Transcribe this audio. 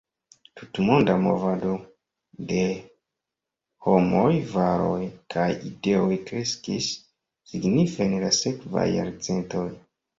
Tutmonda movado de homoj, varoj, kaj ideoj kreskis signife en la sekvaj jarcentoj.